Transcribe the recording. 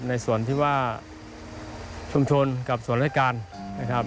ในส่วนที่ว่าชุมชนกับส่วนรายการนะครับ